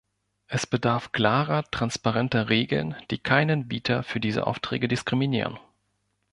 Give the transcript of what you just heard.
Es bedarf klarer, transparenter Regeln, die keinen Bieter für diese Aufträge diskriminieren.